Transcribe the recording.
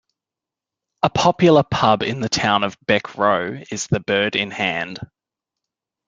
A popular pub in the town of Beck Row is The Bird in Hand.